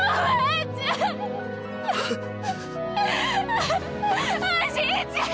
あぁおじいちゃん！